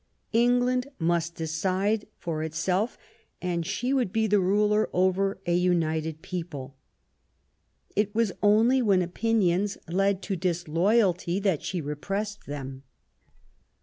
England must decide for itself, and she would be the ruler over a united people. It THE NEW ENGLAND. 239 Was only when opinions led to disloyalty that she repressed them.